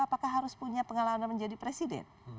apakah harus punya pengalaman menjadi presiden